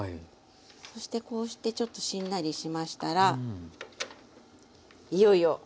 そしてこうしてちょっとしんなりしましたらいよいよ。